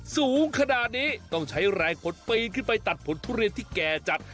สูงขนาดนี้ต้องใช้แรงผลปีนขึ้นไปตัดผลทุเรียนที่แก่จัด